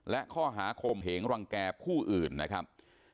และข้อหาคมเหงรังแก่ผู้อื่นนะครับ